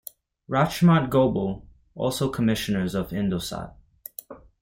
Rachmat Gobel also Commissioners of Indosat.